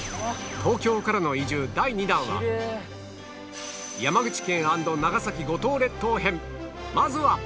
東京からの移住第２弾は山口県＆長崎・五島列島編まずは！